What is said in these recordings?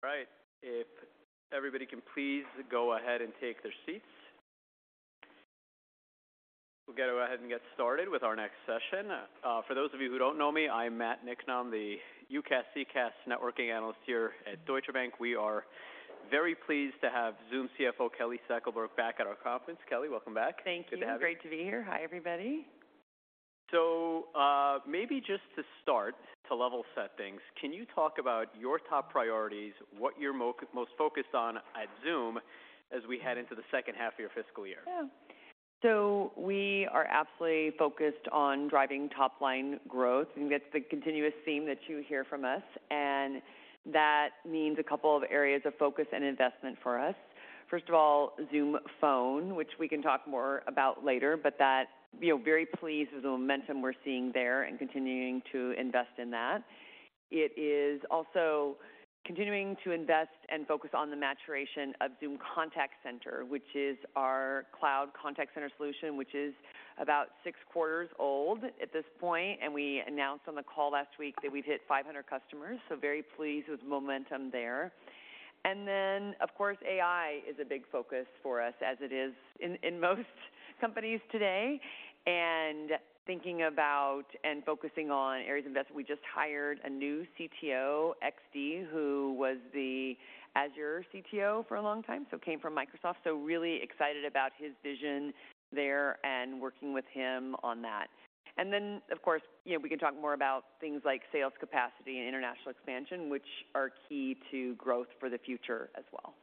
All right. If everybody can please go ahead and take their seats. We'll go ahead and get started with our next session. For those of you who don't know me, I'm Matt Niknam, the UCaaS/CCaaS Networking Analyst here at Deutsche Bank. We are very pleased to have Zoom CFO, Kelly Steckelberg, back at our conference. Kelly, welcome back. Thank you. Good to have you. Great to be here. Hi, everybody. So, maybe just to start, to level set things, can you talk about your top priorities, what you're most focused on at Zoom as we head into the second half of your fiscal year? Yeah. So we are absolutely focused on driving top-line growth, and that's the continuous theme that you hear from us, and that means a couple of areas of focus and investment for us. First of all, Zoom Phone, which we can talk more about later, but that, you know, very pleased with the momentum we're seeing there and continuing to invest in that. It is also continuing to invest and focus on the maturation of Zoom Contact Center, which is our cloud contact center solution, which is about six quarters old at this point, and we announced on the call last week that we've hit 500 customers, so very pleased with the momentum there. And then, of course, AI is a big focus for us, as it is in most companies today. And thinking about and focusing on areas of investment, we just hired a new CTO, X.D., who was the Azure CTO for a long time, so came from Microsoft. So really excited about his vision there and working with him on that. And then, of course, you know, we can talk more about things like sales capacity and international expansion, which are key to growth for the future as well.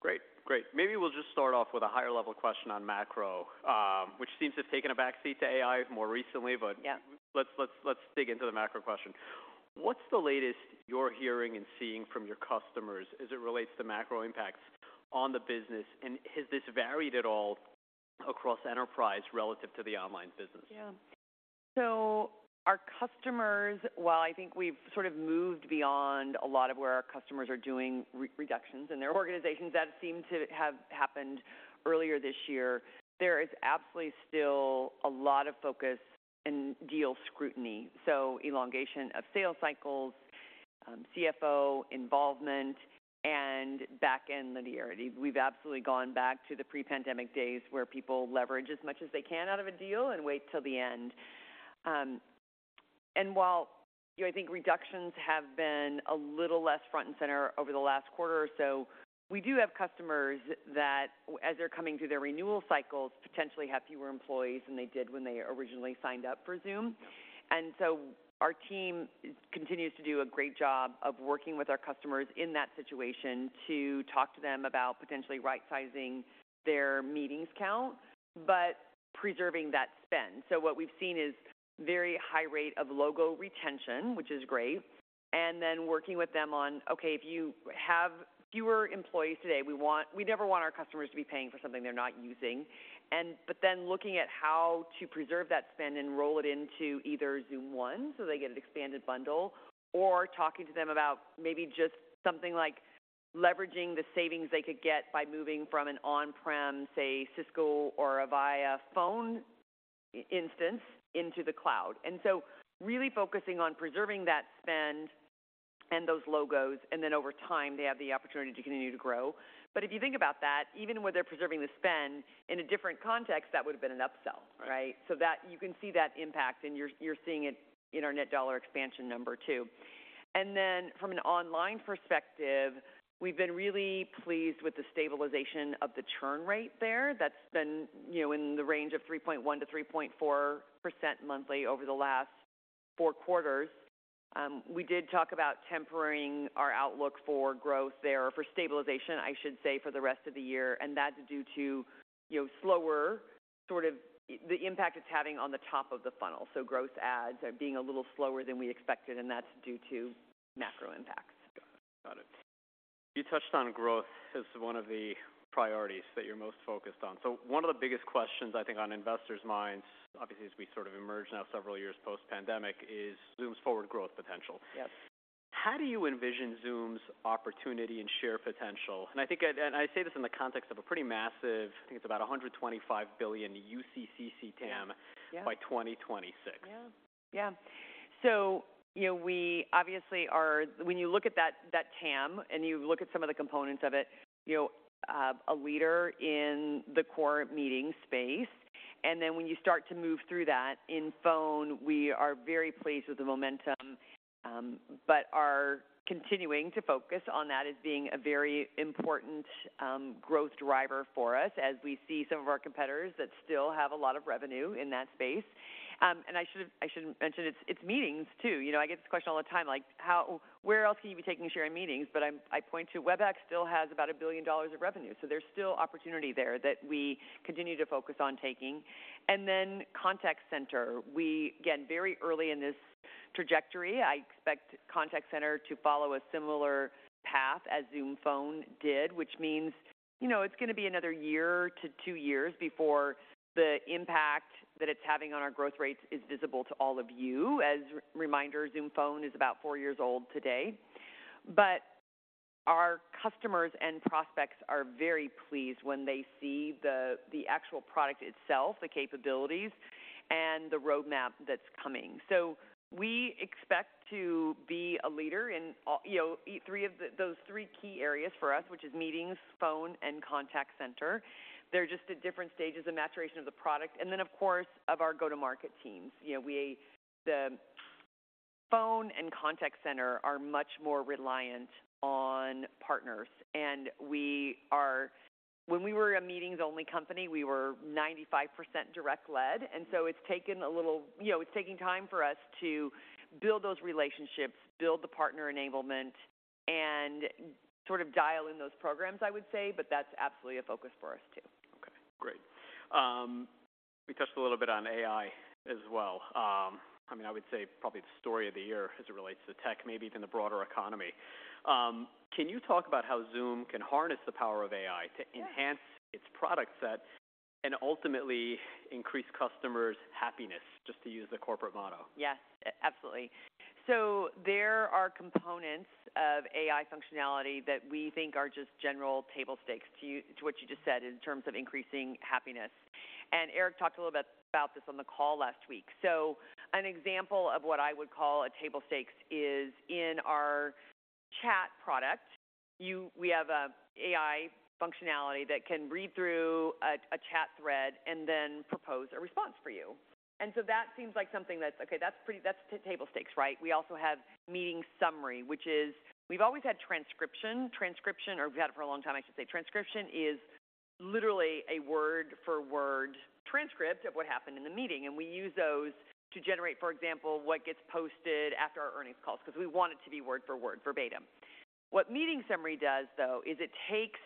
Great. Great. Maybe we'll just start off with a higher-level question on macro, which seems to have taken a backseat to AI more recently, but- Yeah... Let's dig into the macro question. What's the latest you're hearing and seeing from your customers as it relates to macro impacts on the business, and has this varied at all across enterprise relative to the online business? Yeah. So our customers, while I think we've sort of moved beyond a lot of where our customers are doing reductions in their organizations, that seemed to have happened earlier this year, there is absolutely still a lot of focus and deal scrutiny. So elongation of sales cycles, CFO involvement, and back-end linearity. We've absolutely gone back to the pre-pandemic days, where people leverage as much as they can out of a deal and wait till the end. And while, you know, I think reductions have been a little less front and center over the last quarter or so, we do have customers that, as they're coming through their renewal cycles, potentially have fewer employees than they did when they originally signed up for Zoom. So our team continues to do a great job of working with our customers in that situation to talk to them about potentially right-sizing their meetings count, but preserving that spend. So what we've seen is very high rate of logo retention, which is great, and then working with them on, "Okay, if you have fewer employees today, we want-" We never want our customers to be paying for something they're not using. And but then looking at how to preserve that spend and roll it into either Zoom One, so they get an expanded bundle, or talking to them about maybe just something like leveraging the savings they could get by moving from an on-prem, say, Cisco or Avaya phone instance into the cloud. And so really focusing on preserving that spend and those logos, and then over time, they have the opportunity to continue to grow. But if you think about that, even when they're preserving the spend, in a different context, that would have been an upsell, right? Yeah. So that, you can see that impact, and you're, you're seeing it in our Net Dollar Expansion number, too. Then from an online perspective, we've been really pleased with the stabilization of the churn rate there. That's been, you know, in the range of 3.1%-3.4% monthly over the last four quarters. We did talk about tempering our outlook for growth there, or for stabilization, I should say, for the rest of the year, and that's due to, you know, slower, sort of, the impact it's having on the top of the funnel. So growth adds are being a little slower than we expected, and that's due to macro impacts. Got it. You touched on growth as one of the priorities that you're most focused on. So one of the biggest questions, I think, on investors' minds, obviously, as we sort of emerge now several years post-pandemic, is Zoom's forward growth potential. Yes. How do you envision Zoom's opportunity and share potential? And I think, I say this in the context of a pretty massive, I think it's about $125 billion UC/CC TAM- Yeah... by 2026. Yeah. Yeah. So, you know, we obviously are. When you look at that TAM, and you look at some of the components of it, you know, a leader in the core meeting space. And then when you start to move through that, in Phone, we are very pleased with the momentum, but are continuing to focus on that as being a very important growth driver for us, as we see some of our competitors that still have a lot of revenue in that space. And I should've, I should have mentioned, it's, it's meetings, too. You know, I get this question all the time, like: "How? Where else can you be taking share in meetings?" But I point to Webex still has about $1 billion of revenue, so there's still opportunity there that we continue to focus on taking. And then Contact Center, we, again, very early in this trajectory, I expect Contact Center to follow a similar path as Zoom Phone did, which means, you know, it's gonna be another year to two years before the impact that it's having on our growth rates is visible to all of you. As a reminder, Zoom Phone is about four years old today. But our customers and prospects are very pleased when they see the actual product itself, the capabilities, and the roadmap that's coming. So we expect to be a leader in all, you know, three of those three key areas for us, which is meetings, phone, and Contact Center. They're just at different stages of maturation of the product, and then, of course, of our go-to-market teams. You know, we, the phone and contact center are much more reliant on partners, and we are. When we were a meetings-only company, we were 95% direct led, and so it's taken a little... You know, it's taking time for us to build those relationships, build the partner enablement, and sort of dial in those programs, I would say, but that's absolutely a focus for us too. Okay, great. We touched a little bit on AI as well. I mean, I would say probably the story of the year as it relates to tech, maybe even the broader economy. Can you talk about how Zoom can harness the power of AI? Sure To enhance its product set and ultimately increase customers' happiness, just to use the corporate motto? Yes, absolutely. So there are components of AI functionality that we think are just general table stakes to what you just said in terms of increasing happiness. And Eric talked a little bit about this on the call last week. So an example of what I would call a table stakes is in our chat product. We have AI functionality that can read through a chat thread and then propose a response for you. And so that seems like something that's pretty table stakes, right? We also have meeting summary, which is we've always had transcription. Transcription, or we've had it for a long time, I should say. Transcription is literally a word-for-word transcript of what happened in the meeting, and we use those to generate, for example, what gets posted after our earnings calls, 'cause we want it to be word for word, verbatim. What meeting summary does, though, is it takes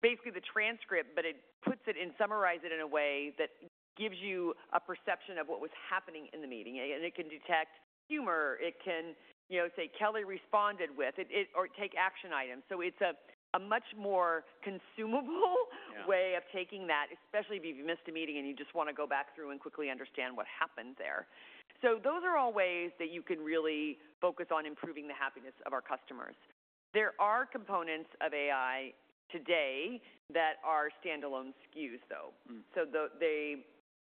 basically the transcript, but it puts it and summarize it in a way that gives you a perception of what was happening in the meeting. And it can detect humor, it can, you know, say, "Kelly responded with," or take action items. So it's a much more consumable- Yeah... way of taking that, especially if you've missed a meeting and you just wanna go back through and quickly understand what happened there. Those are all ways that you can really focus on improving the happiness of our customers. There are components of AI today that are standalone SKUs, though. Mm. So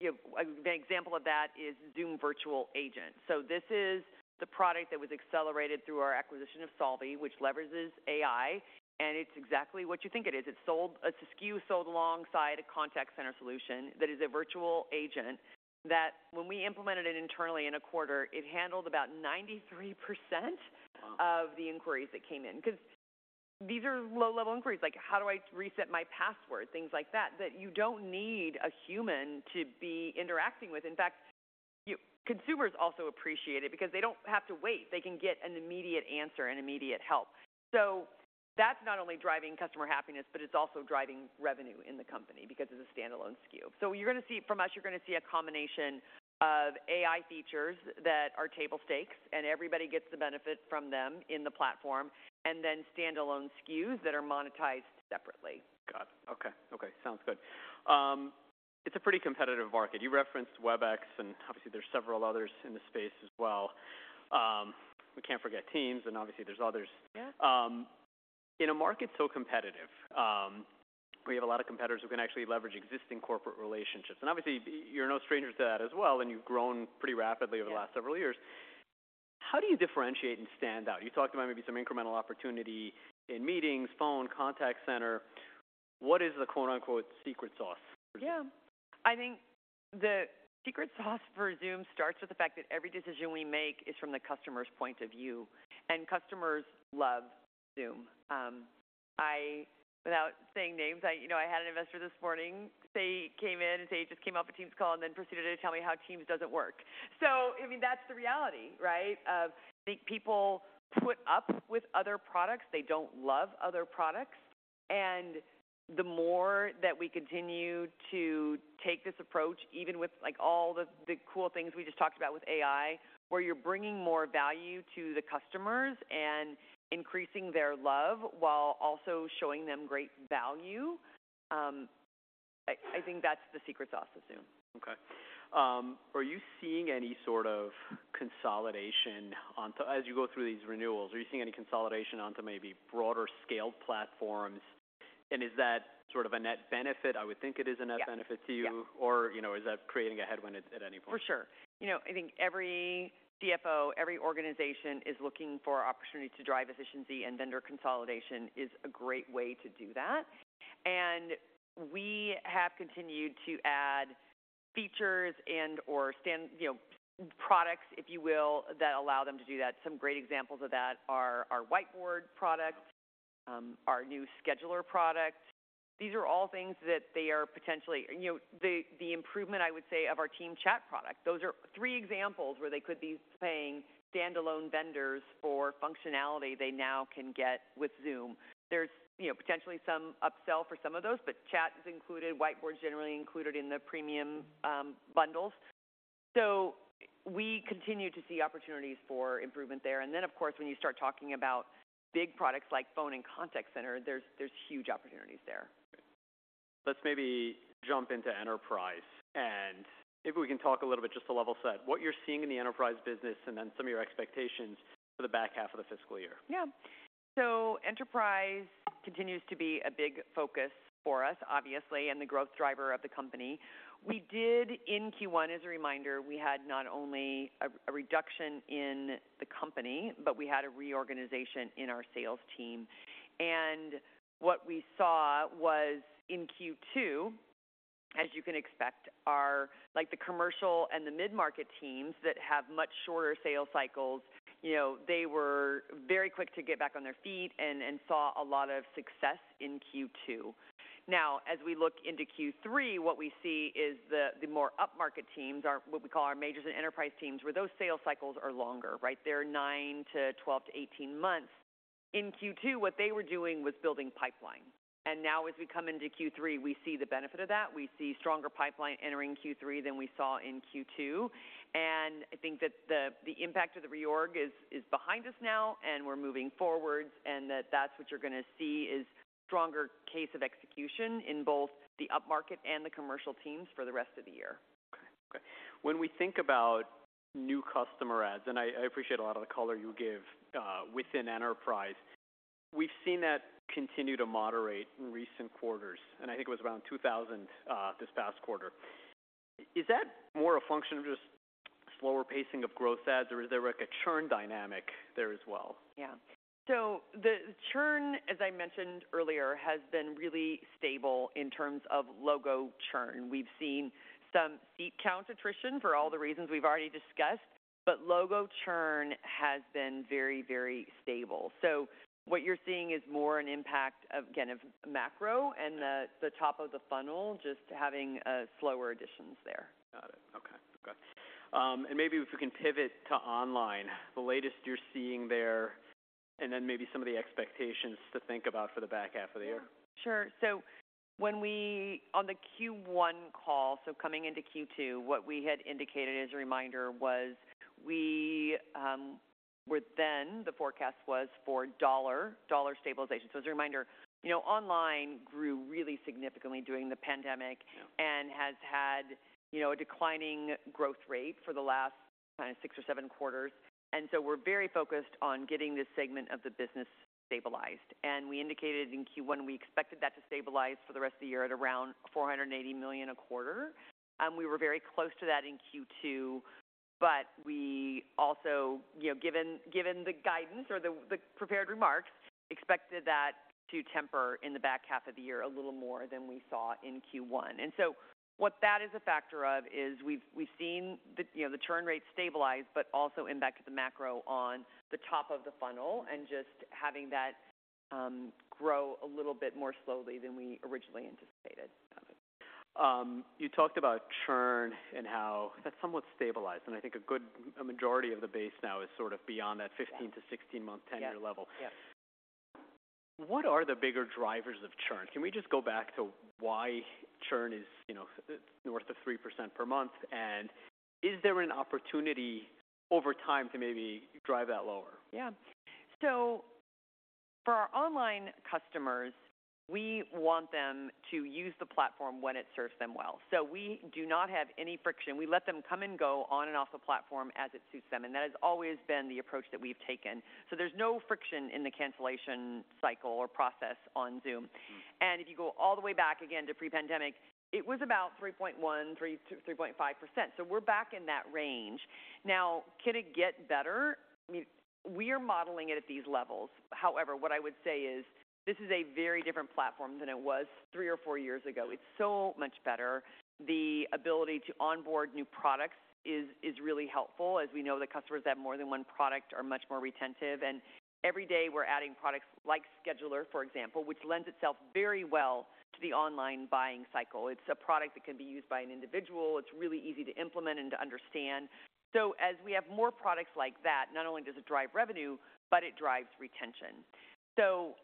you know, an example of that is Zoom Virtual Agent. So this is the product that was accelerated through our acquisition of Solvvy, which leverages AI, and it's exactly what you think it is. It's sold—It's a SKU sold alongside a contact center solution that is a virtual agent, that when we implemented it internally in a quarter, it handled about 93%- Wow!... of the inquiries that came in. 'Cause these are low-level inquiries, like, "How do I reset my password?" Things like that, that you don't need a human to be interacting with. In fact, you consumers also appreciate it because they don't have to wait. They can get an immediate answer and immediate help. So that's not only driving customer happiness, but it's also driving revenue in the company because it's a standalone SKU. So you're gonna see, from us, you're gonna see a combination of AI features that are table stakes, and everybody gets the benefit from them in the platform, and then standalone SKUs that are monetized separately. Got it. Okay, okay, sounds good. It's a pretty competitive market. You referenced WebEx, and obviously, there's several others in the space as well. We can't forget Teams, and obviously, there's others. Yeah. In a market so competitive, where you have a lot of competitors who can actually leverage existing corporate relationships, and obviously, you're no stranger to that as well, and you've grown pretty rapidly- Yeah... over the last several years. How do you differentiate and stand out? You talked about maybe some incremental opportunity in meetings, phone, contact center. What is the quote, unquote, "secret sauce" for Zoom? Yeah. I think the secret sauce for Zoom starts with the fact that every decision we make is from the customer's point of view, and customers love Zoom. Without saying names, you know, I had an investor this morning. They came in and they just came off a Teams call and then proceeded to tell me how Teams doesn't work. So, I mean, that's the reality, right? Of I think people put up with other products. They don't love other products. And the more that we continue to take this approach, even with, like, all the, the cool things we just talked about with AI, where you're bringing more value to the customers and increasing their love while also showing them great value, I think that's the secret sauce to Zoom. Okay. Are you seeing any sort of consolidation onto maybe broader-scaled platforms? As you go through these renewals, are you seeing any consolidation onto maybe broader-scaled platforms? And is that sort of a net benefit? I would think it is a net benefit- Yeah... to you. Yeah. Or, you know, is that creating a headwind at any point? For sure. You know, I think every CFO, every organization is looking for opportunity to drive efficiency, and vendor consolidation is a great way to do that. We have continued to add features and/or standalone, you know, products, if you will, that allow them to do that. Some great examples of that are our Whiteboard product, our new Scheduler product. These are all things that they are potentially. You know, the improvement, I would say, of our Team Chat product. Those are three examples where they could be paying standalone vendors for functionality they now can get with Zoom. There's, you know, potentially some upsell for some of those, but Chat is included, Whiteboard is generally included in the premium bundles. So we continue to see opportunities for improvement there. And then, of course, when you start talking about big products like Phone and Contact Center, there's, there's huge opportunities there. Let's maybe jump into enterprise, and maybe we can talk a little bit, just to level set, what you're seeing in the enterprise business and then some of your expectations for the back half of the fiscal year. Yeah.... So enterprise continues to be a big focus for us, obviously, and the growth driver of the company. We did in Q1, as a reminder, we had not only a reduction in the company, but we had a reorganization in our sales team. What we saw was in Q2, as you can expect, our, like, the commercial and the mid-market teams that have much shorter sales cycles, you know, they were very quick to get back on their feet and saw a lot of success in Q2. Now, as we look into Q3, what we see is the more upmarket teams, our, what we call our majors and enterprise teams, where those sales cycles are longer, right? They're 9 to 12 to 18 months. In Q2, what they were doing was building pipeline, and now as we come into Q3, we see the benefit of that. We see stronger pipeline entering Q3 than we saw in Q2, and I think that the impact of the reorg is behind us now, and we're moving forward, and that's what you're going to see is stronger case of execution in both the upmarket and the commercial teams for the rest of the year. Okay. Okay. When we think about new customer adds, and I, I appreciate a lot of the color you give within enterprise. We've seen that continue to moderate in recent quarters, and I think it was around 2,000 this past quarter. Is that more a function of just slower pacing of growth adds, or is there, like, a churn dynamic there as well? Yeah. So the churn, as I mentioned earlier, has been really stable in terms of logo churn. We've seen some seat count attrition for all the reasons we've already discussed, but logo churn has been very, very stable. So what you're seeing is more an impact of, again, of macro and the top of the funnel, just having slower additions there. Got it. Okay. Good. And maybe if we can pivot to online, the latest you're seeing there, and then maybe some of the expectations to think about for the back half of the year. Yeah, sure. So when we- on the Q1 call, so coming into Q2, what we had indicated as a reminder was we were then, the forecast was for dollar, dollar stabilization. So as a reminder, you know, online grew really significantly during the pandemic- Yeah... and has had, you know, a declining growth rate for the last kind of six or seven quarters. So we're very focused on getting this segment of the business stabilized. We indicated in Q1, we expected that to stabilize for the rest of the year at around $480 million a quarter. We were very close to that in Q2, but we also, you know, given the guidance or the prepared remarks, expected that to temper in the back half of the year a little more than we saw in Q1. What that is a factor of is we've seen the, you know, the churn rate stabilize, but also impact to the macro on the top of the funnel and just having that grow a little bit more slowly than we originally anticipated. Got it. You talked about churn and how that's somewhat stabilized, and I think a majority of the base now is sort of beyond that 15-16-month tenure level. Yes, yes. What are the bigger drivers of churn? Can we just go back to why churn is, you know, north of 3% per month, and is there an opportunity over time to maybe drive that lower? Yeah. So for our online customers, we want them to use the platform when it serves them well. So we do not have any friction. We let them come and go on and off the platform as it suits them, and that has always been the approach that we've taken. So there's no friction in the cancellation cycle or process on Zoom. Mm-hmm. If you go all the way back again to pre-pandemic, it was about 3.1, 3-3.5%. So we're back in that range. Now, can it get better? I mean, we are modeling it at these levels. However, what I would say is this is a very different platform than it was three or four years ago. It's so much better. The ability to onboard new products is really helpful. As we know, the customers that have more than one product are much more retentive, and every day we're adding products like Scheduler, for example, which lends itself very well to the online buying cycle. It's a product that can be used by an individual. It's really easy to implement and to understand. So as we have more products like that, not only does it drive revenue, but it drives retention. So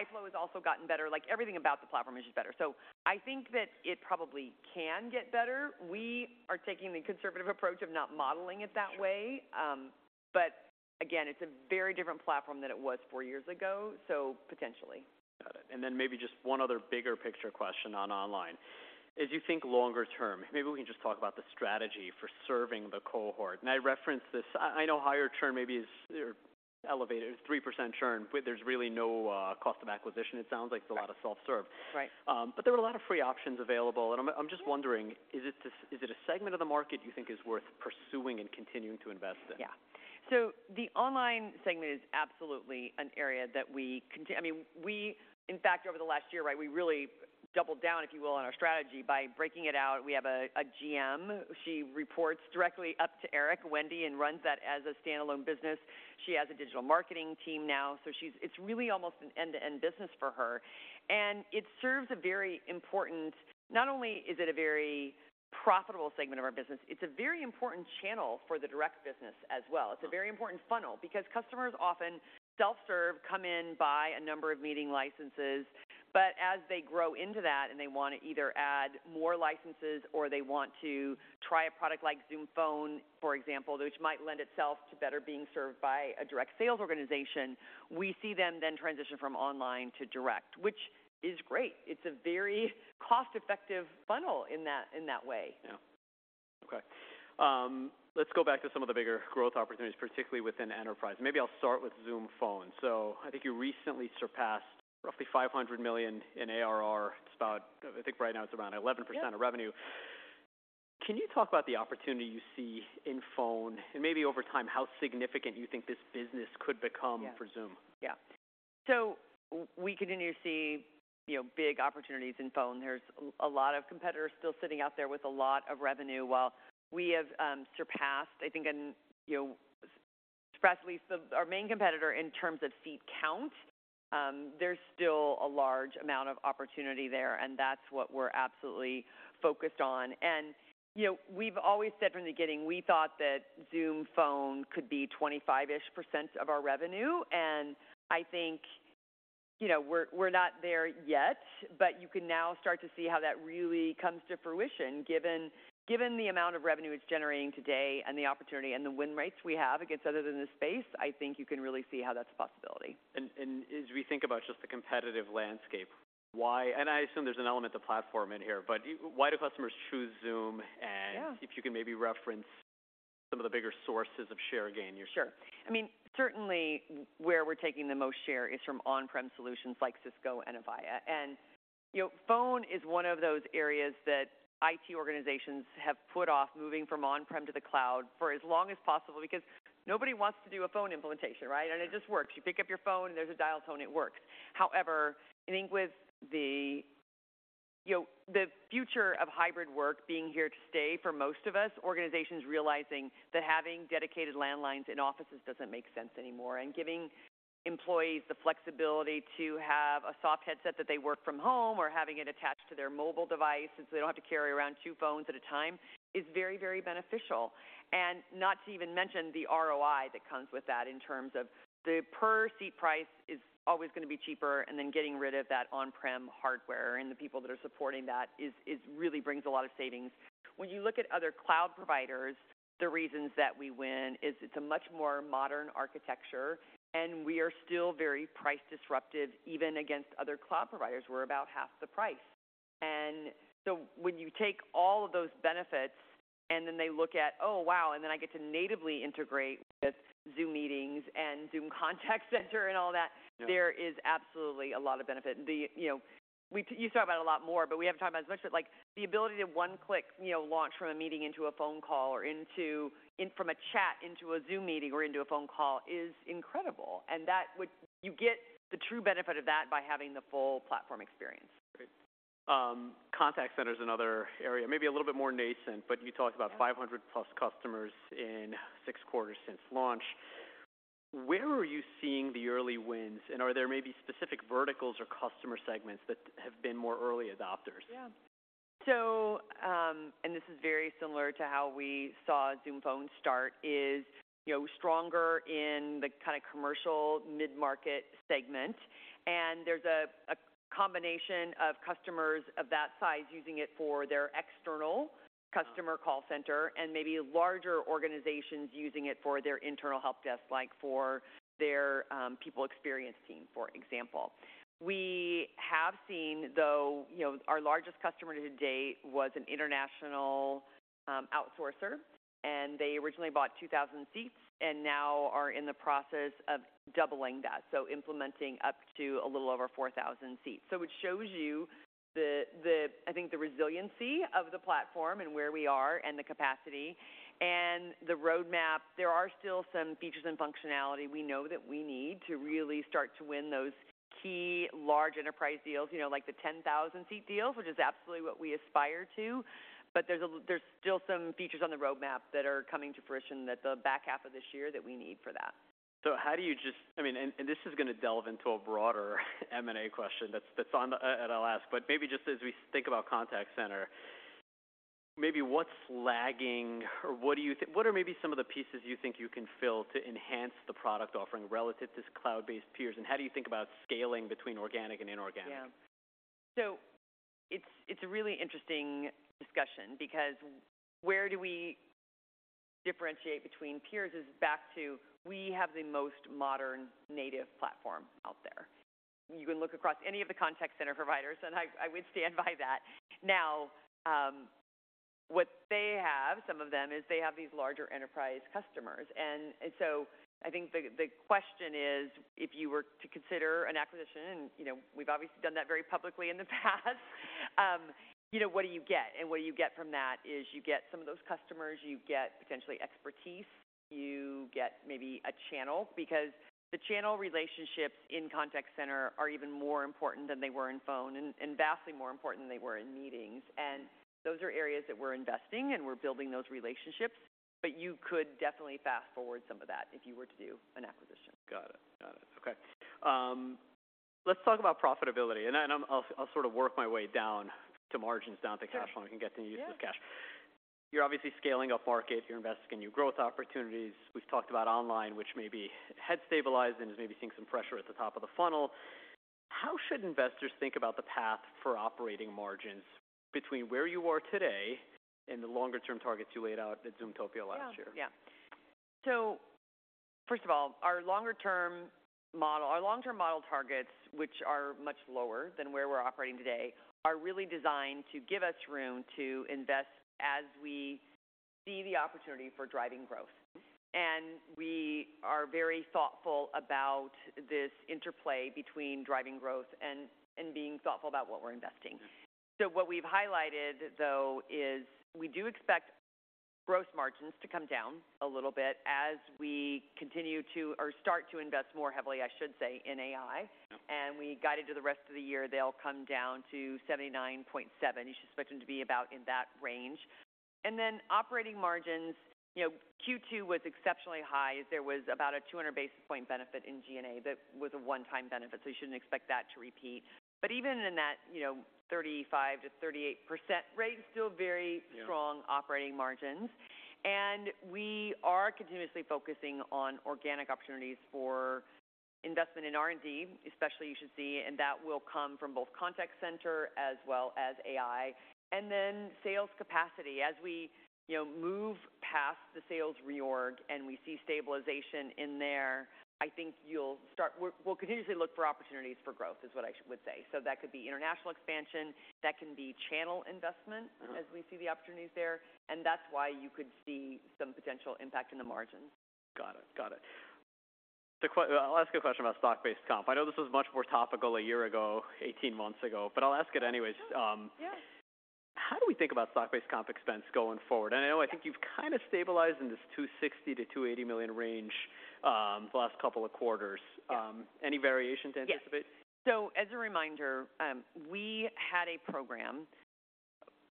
the buy flow has also gotten better. Like, everything about the platform is just better. So I think that it probably can get better. We are taking the conservative approach of not modeling it that way. Sure. But again, it's a very different platform than it was four years ago, so potentially. Got it. And then maybe just one other bigger picture question on online. As you think longer term, maybe we can just talk about the strategy for serving the cohort. And I reference this, I know higher churn maybe is or elevated, it's 3% churn, but there's really no cost of acquisition. It sounds like- Right... it's a lot of self-serve. Right. But there were a lot of free options available, and I'm just wondering, is it a segment of the market you think is worth pursuing and continuing to invest in? Yeah. So the online segment is absolutely an area that we, I mean, we... In fact, over the last year, right, we really doubled down, if you will, on our strategy by breaking it out. We have a GM. She reports directly up to Eric. Wendy, and runs that as a standalone business. She has a digital marketing team now, so it's really almost an end-to-end business for her. And it serves a very important not only is it a very profitable segment of our business, it's a very important channel for the direct business as well. Right. It's a very important funnel because customers often self-serve, come in, buy a number of meeting licenses, but as they grow into that and they want to either add more licenses or they want to try a product like Zoom Phone, for example, which might lend itself to better being served by a direct sales organization, we see them then transition from online to direct, which is great. It's a very cost-effective funnel in that, in that way. Yeah.... Okay. Let's go back to some of the bigger growth opportunities, particularly within enterprise. Maybe I'll start with Zoom Phone. So I think you recently surpassed roughly $500 million in ARR. It's about, I think right now it's around 11%- Yeah of revenue. Can you talk about the opportunity you see in Phone, and maybe over time, how significant you think this business could become? Yeah - for Zoom? Yeah. So we continue to see, you know, big opportunities in Phone. There's a lot of competitors still sitting out there with a lot of revenue. While we have surpassed, I think, you know, at least our main competitor in terms of seat count, there's still a large amount of opportunity there, and that's what we're absolutely focused on. And, you know, we've always said from the beginning, we thought that Zoom Phone could be 25-ish% of our revenue, and I think, you know, we're not there yet, but you can now start to see how that really comes to fruition. Given the amount of revenue it's generating today and the opportunity and the win rates we have against others in this space, I think you can really see how that's a possibility. And as we think about just the competitive landscape, why, and I assume there's an element of platform in here, but why do customers choose Zoom? Yeah. If you can maybe reference some of the bigger sources of share gain you're seeing. Sure. I mean, certainly where we're taking the most share is from on-prem solutions like Cisco and Avaya. And, you know, Phone is one of those areas that IT organizations have put off moving from on-prem to the cloud for as long as possible because nobody wants to do a phone implementation, right? Yeah. And it just works. You pick up your phone, and there's a dial tone, it works. However, I think with the, you know, the future of hybrid work being here to stay for most of us, organizations realizing that having dedicated landlines in offices doesn't make sense anymore, and giving employees the flexibility to have a soft headset that they work from home, or having it attached to their mobile device, so they don't have to carry around two phones at a time, is very, very beneficial. And not to even mention the ROI that comes with that in terms of the per-seat price is always going to be cheaper, and then getting rid of that on-prem hardware and the people that are supporting that is really brings a lot of savings. When you look at other cloud providers, the reasons that we win is it's a much more modern architecture, and we are still very price disruptive, even against other cloud providers. We're about half the price. And so when you take all of those benefits, and then they look at, "Oh, wow, and then I get to natively integrate with Zoom Meetings and Zoom Contact Center and all that- Yeah... There is absolutely a lot of benefit. The, you know, we-- you talk about a lot more, but we haven't talked about as much, but, like, the ability to one-click, you know, launch from a meeting into a phone call or into... in from a chat, into a Zoom meeting or into a phone call is incredible, and that would-- you get the true benefit of that by having the full platform experience. Great. Contact center's another area, maybe a little bit more nascent, but you talked about- Yeah 500+ customers in 6 quarters since launch. Where are you seeing the early wins, and are there maybe specific verticals or customer segments that have been more early adopters? Yeah. So, and this is very similar to how we saw Zoom Phone start is, you know, stronger in the kind of commercial mid-market segment. And there's a combination of customers of that size using it for their external customer call center and maybe larger organizations using it for their internal help desk, like for their people experience team, for example. We have seen, though, you know, our largest customer to date was an international outsourcer, and they originally bought 2,000 seats and now are in the process of doubling that, so implementing up to a little over 4,000 seats. So it shows you the, I think, the resiliency of the platform and where we are and the capacity and the roadmap. There are still some features and functionality we know that we need to really start to win those key large enterprise deals, you know, like the 10,000 seat deals, which is absolutely what we aspire to. But there's still some features on the roadmap that are coming to fruition that the back half of this year that we need for that. So how do you just, I mean, and, and this is going to delve into a broader M&A question that's, that's on, and I'll ask, but maybe just as we think about contact center, maybe what's lagging or what do you think, what are maybe some of the pieces you think you can fill to enhance the product offering relative to cloud-based peers, and how do you think about scaling between organic and inorganic? Yeah. So it's a really interesting discussion because where do we differentiate between peers is back to, we have the most modern native platform out there. You can look across any of the contact center providers, and I would stand by that. Now, what they have, some of them, is they have these larger enterprise customers, and so I think the question is, if you were to consider an acquisition, and you know, we've obviously done that very publicly in the past, you know, what do you get? And what you get from that is you get some of those customers, you get potentially expertise, you get maybe a channel, because the channel relationships in contact center are even more important than they were in Phone and vastly more important than they were in Meetings. Those are areas that we're investing and we're building those relationships, but you could definitely fast forward some of that if you were to do an acquisition. Got it. Got it. Okay. Let's talk about profitability, and then I'm, I'll sort of work my way down to margins, down to cash flow- Sure and get the use of cash. Yeah. You're obviously scaling up market. You're investing in new growth opportunities. We've talked about online, which maybe had stabilized and is maybe seeing some pressure at the top of the funnel. How should investors think about the path for operating margins between where you are today and the longer-term targets you laid out at Zoomtopia last year? Yeah. Yeah. First of all, our longer term model, our long-term model targets, which are much lower than where we're operating today, are really designed to give us room to invest as we see the opportunity for driving growth. And we are very thoughtful about this interplay between driving growth and being thoughtful about what we're investing. So what we've highlighted, though, is we do expect gross margins to come down a little bit as we continue to, or start to invest more heavily, I should say, in AI. Yeah. We guided to the rest of the year, they'll come down to 79.7. You should expect them to be about in that range. Then operating margins, you know, Q2 was exceptionally high. There was about a 200 basis point benefit in G&A. That was a one-time benefit, so you shouldn't expect that to repeat. But even in that, you know, 35%-38% rate is still very- Yeah... strong operating margins. We are continuously focusing on organic opportunities for investment in R&D, especially. You should see, and that will come from both contact center as well as AI. Then sales capacity. As we, you know, move past the sales reorg and we see stabilization in there, I think we'll continuously look for opportunities for growth, is what I would say. So that could be international expansion, that can be channel investment- Uh- As we see the opportunities there, and that's why you could see some potential impact in the margins. Got it. Got it. I'll ask a question about stock-based comp. I know this was much more topical a year ago, 18 months ago, but I'll ask it anyways. Yeah. How do we think about stock-based comp expense going forward? And I know I think you've kind of stabilized in this $260 million-$280 million range, the last couple of quarters. Yeah. Any variations to anticipate? Yes. So as a reminder, we had a program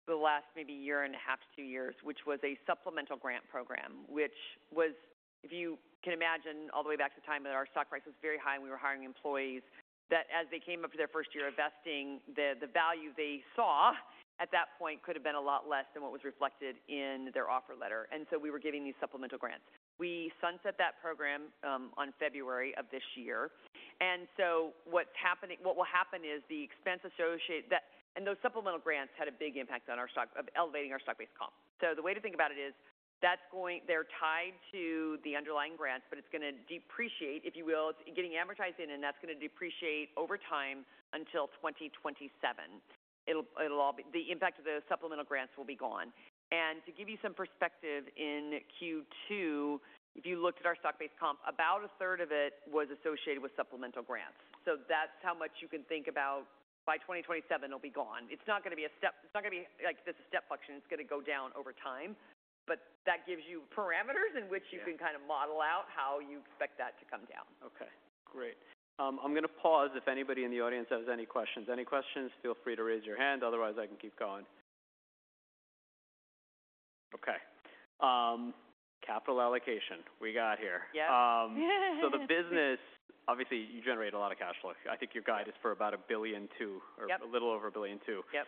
for the last maybe year and a half to two years, which was a supplemental grant program, which was, if you can imagine, all the way back to the time that our stock price was very high and we were hiring employees, that as they came up to their first year of vesting, the value they saw at that point could have been a lot less than what was reflected in their offer letter. And so we were giving these supplemental grants. We sunset that program on February of this year. And so what's happening, what will happen is the expense associated. That, and those supplemental grants had a big impact on our stock, of elevating our stock-based comp. So the way to think about it is, that's going—they're tied to the underlying grants, but it's going to depreciate, if you will. It's getting amortized in, and that's going to depreciate over time until 2027. It'll, it'll all be—the impact of the supplemental grants will be gone. And to give you some perspective, in Q2, if you looked at our stock-based comp, about a third of it was associated with supplemental grants. So that's how much you can think about by 2027, it'll be gone. It's not going to be a step—it's not going to be like just a step function. It's going to go down over time, but that gives you parameters in which- Yeah... you can kind of model out how you expect that to come down. Okay, great. I'm going to pause if anybody in the audience has any questions. Any questions, feel free to raise your hand. Otherwise, I can keep going. Okay, capital allocation, we got here. Yeah. The business, obviously, you generate a lot of cash flow. I think your guide is for about $1.2 billion- Yep. or a little over $1.2 billion. Yep.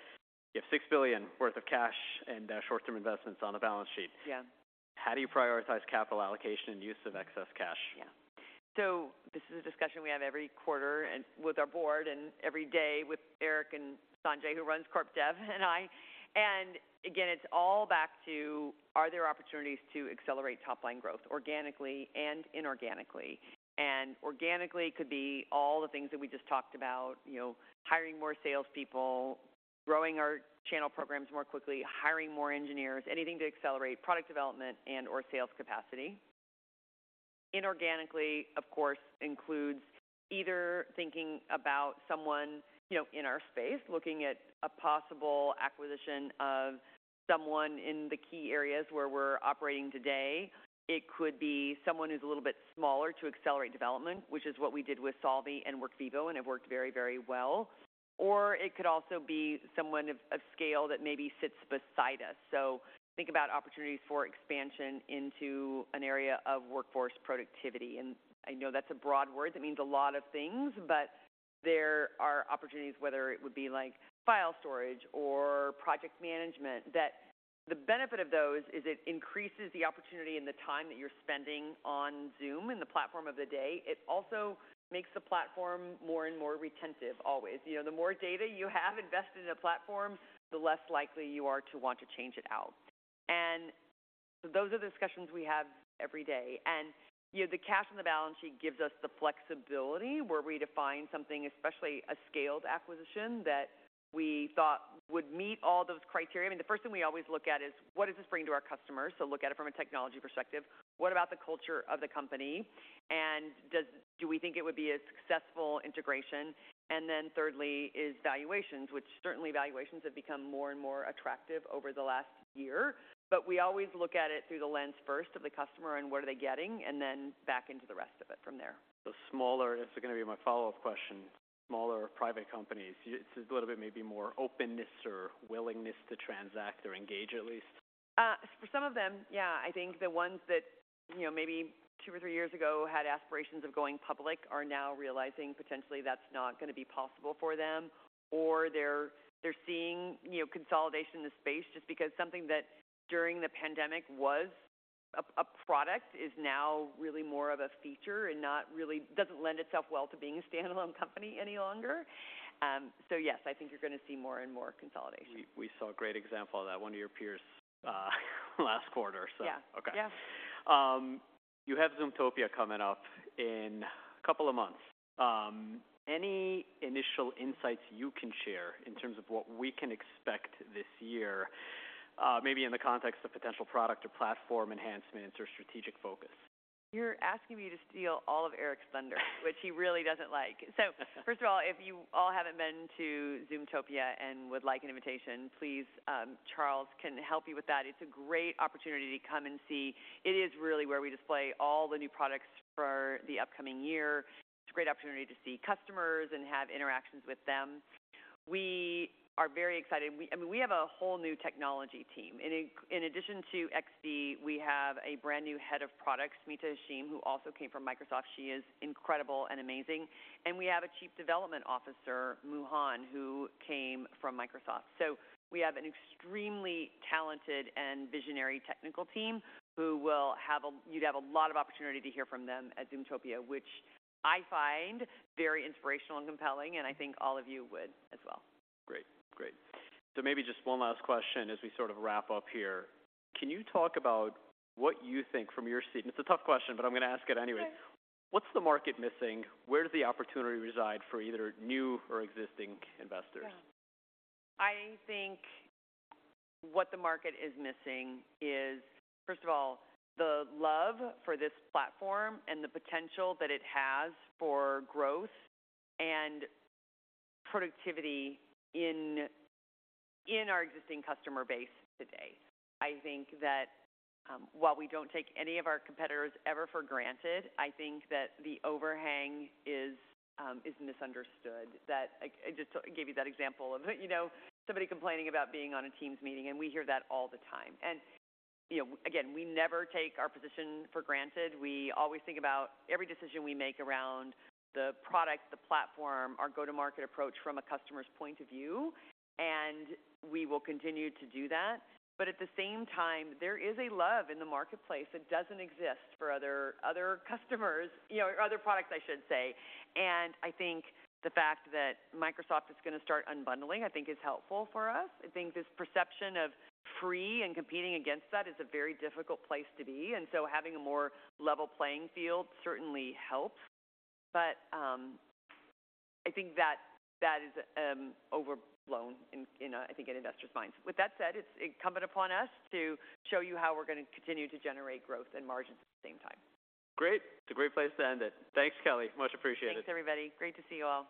You have $6 billion worth of cash and short-term investments on the balance sheet. Yeah. How do you prioritize capital allocation and use of excess cash? Yeah. So this is a discussion we have every quarter and with our board, and every day with Eric and Sanjay, who runs Corp Dev, and I. And again, it's all back to: are there opportunities to accelerate top-line growth organically and inorganically? And organically could be all the things that we just talked about, you know, hiring more salespeople, growing our channel programs more quickly, hiring more engineers, anything to accelerate product development and/or sales capacity. Inorganically, of course, includes either thinking about someone, you know, in our space, looking at a possible acquisition of someone in the key areas where we're operating today. It could be someone who's a little bit smaller to accelerate development, which is what we did with Solvvy and Workvivo, and it worked very, very well. Or it could also be someone of, of scale that maybe sits beside us. So think about opportunities for expansion into an area of workforce productivity, and I know that's a broad word that means a lot of things, but there are opportunities, whether it would be like file storage or project management, that the benefit of those is it increases the opportunity and the time that you're spending on Zoom and the platform of the day. It also makes the platform more and more retentive, always. You know, the more data you have invested in a platform, the less likely you are to want to change it out. Those are the discussions we have every day. You know, the cash on the balance sheet gives us the flexibility, where we define something, especially a scaled acquisition, that we thought would meet all those criteria. I mean, the first thing we always look at is: what does this bring to our customers? So look at it from a technology perspective. What about the culture of the company? And do we think it would be a successful integration? And then thirdly, is valuations, which certainly valuations have become more and more attractive over the last year, but we always look at it through the lens first of the customer and what are they getting, and then back into the rest of it from there. Smaller... It's going to be my follow-up question. Smaller private companies, it's a little bit maybe more openness or willingness to transact or engage, at least? For some of them, yeah. I think the ones that, you know, maybe two or three years ago had aspirations of going public, are now realizing potentially that's not going to be possible for them, or they're seeing, you know, consolidation in the space just because something that during the pandemic was a product, is now really more of a feature and not really-- doesn't lend itself well to being a standalone company any longer. So yes, I think you're going to see more and more consolidation. We saw a great example of that, one of your peers, last quarter, so- Yeah. Okay. Yeah. You have Zoomtopia coming up in a couple of months. Any initial insights you can share in terms of what we can expect this year, maybe in the context of potential product or platform enhancements or strategic focus? You're asking me to steal all of Eric's thunder, which he really doesn't like. So first of all, if you all haven't been to Zoomtopia and would like an invitation, please, Charles can help you with that. It's a great opportunity to come and see. It is really where we display all the new products for the upcoming year. It's a great opportunity to see customers and have interactions with them. We are very excited. We, I mean, we have a whole new technology team. In addition to XD, we have a brand-new head of product, Smita Hashim, who also came from Microsoft. She is incredible and amazing, and we have a chief development officer, Mu Han, who came from Microsoft. So we have an extremely talented and visionary technical team. You'd have a lot of opportunity to hear from them at Zoomtopia, which I find very inspirational and compelling, and I think all of you would as well. Great. Great. So maybe just one last question as we sort of wrap up here. Can you talk about what you think from your seat... It's a tough question, but I'm going to ask it anyway. Okay. What's the market missing? Where does the opportunity reside for either new or existing investors? Yeah. I think what the market is missing is, first of all, the love for this platform and the potential that it has for growth and productivity in, in our existing customer base today. I think that, while we don't take any of our competitors ever for granted, I think that the overhang is misunderstood. That, I, I just gave you that example of, you know, somebody complaining about being on a Teams meeting, and we hear that all the time. And, you know, again, we never take our position for granted. We always think about every decision we make around the product, the platform, our go-to-market approach from a customer's point of view, and we will continue to do that. But at the same time, there is a love in the marketplace that doesn't exist for other customers, you know, or other products, I should say. I think the fact that Microsoft is going to start unbundling, I think is helpful for us. I think this perception of free and competing against that is a very difficult place to be, and so having a more level playing field certainly helps. But I think that is overblown, you know, in investors' minds. With that said, it's incumbent upon us to show you how we're going to continue to generate growth and margins at the same time. Great! It's a great place to end it. Thanks, Kelly. Much appreciated. Thanks, everybody. Great to see you all.